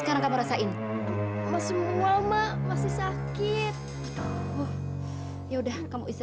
kok belum tidur